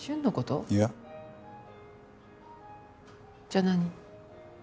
じゃあ何？